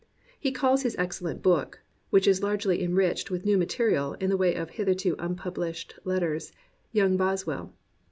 He calls his excellent book, which is largely enriched with new material in the way of hitherto impublished letters, Young Boswell.